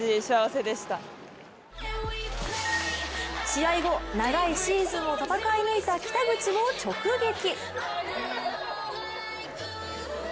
試合後、長いシーズンを戦い抜いた北口を直撃。